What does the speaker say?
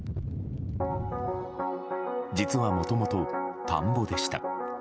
実はもともと、田んぼでした。